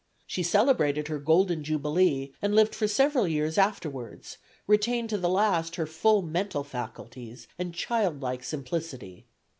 She celebrated her golden jubilee and lived for several years afterwards, retained to the last her full mental faculties and childlike simplicity.